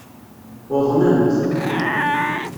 Uḍnent.